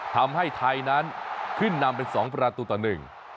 ทำให้ไทยนั้นขึ้นนำเป็นสองประตูต่อหนึ่ง